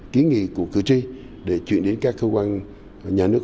kiến nghị của cử tri để chuyển đến các cơ quan nhà nước